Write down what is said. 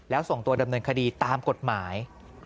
แล้วส่งตัวดำเนินคดีตามกฎหมาย